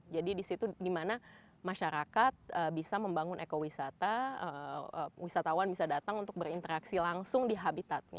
jadi di situ dimana masyarakat bisa membangun ekowisata wisatawan bisa datang untuk berinteraksi langsung di habitatnya